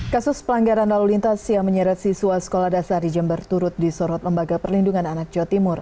kasus pelanggaran lalu lintas yang menyeret siswa sekolah dasar di jember turut disorot lembaga perlindungan anak jawa timur